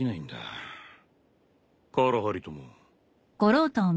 カラハリとも。